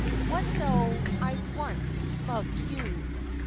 What tho' I once loved you?